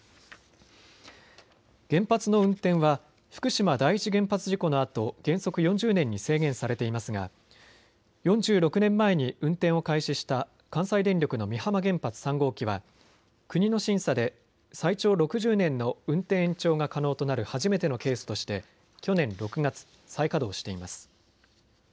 原発の運転は福島第一原発事故のあと原則４０年に制限されていますが４６年前に運転を開始した関西電力の美浜原発３号機は国の審査で最長６０年の運転延長が可能となる初めてのケースとして去年６月、再稼働しています。